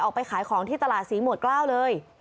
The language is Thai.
ออกไปขายของที่ตลาดศรีหมวดเกล้าเลย